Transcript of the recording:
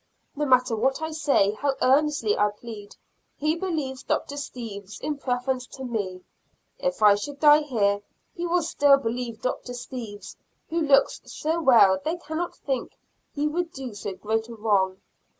No matter what I say, how earnestly I plead, he believes Dr. Steeves in preference to me. If I should die here, he will still believe Dr. Steeves, who looks so well they cannot think he would do so great a wrong.